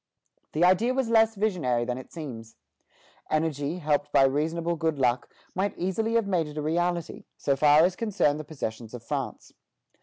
The idea was less visionary than it seems. Energy, helped by reasonable good luck, might easily have made it a reality, so far as concerned the possessions of France.